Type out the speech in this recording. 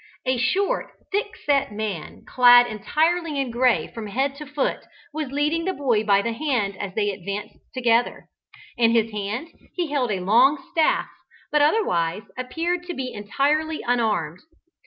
A short, thick set man, clad entirely in gray from head to foot, was leading the boy by the hand as they advanced together. In his hand he held a long staff, but otherwise appeared to be entirely unarmed.